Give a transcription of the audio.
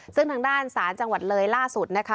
ซึ่งทางด้านศาลจังหวัดเลยล่าสุดนะคะ